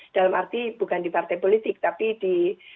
dalam arti bukan di partai politik tapi di